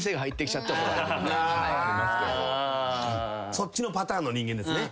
そっちのパターンの人間ですね。